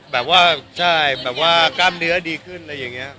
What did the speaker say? แบบว่าใช่แบบว่ากล้ามเนื้อดีขึ้นอะไรอย่างนี้